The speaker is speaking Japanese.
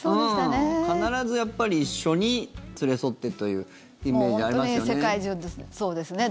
必ずやっぱり一緒に連れ添ってというイメージがありますよね。